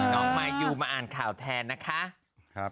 น้องไมค์ยูมาอ่านข่าวแทนนะคะ